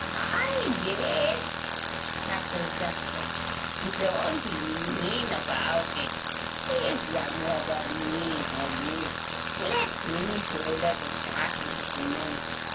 "Hi, Jabe!" cackled Jasper. "Don't be mean about it. He's younger than me, or you. Let him shoulder the sack into the mill."